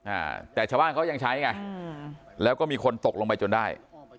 อ่าแต่ชาวบ้านเขายังใช้ไงอืมแล้วก็มีคนตกลงไปจนได้